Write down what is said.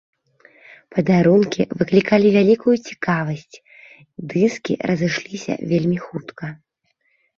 Падарункі выклікалі вялікую цікавасць, дыскі разышліся вельмі хутка.